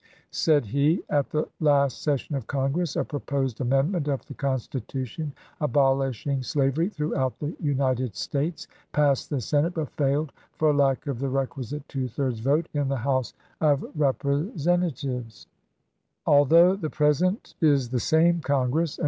Said he : At the last session of Congress a proposed amendment of the Constitution, abolishing slavery throughout the United States, passed the Senate, but failed, for lack of the requisite two thirds vote, in the House of Representa WILLIAM LLOTD GAKKISON. THE THIRTEENTH AMENDMENT 81 tives. Although the present is the same Congress, and chap.iv.